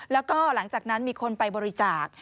แล้วก็หลังจากนั้นมีคนไปบริจาค